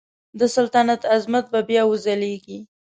د سلطنت عظمت به بیا وځلیږي.